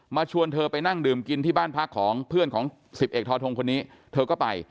ชวนเธอไปนั่งดื่มกินที่บ้านพักของเพื่อนของสิบเอกทอทงคนนี้เธอก็ไป